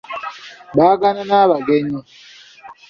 Bagaana n'abagenyi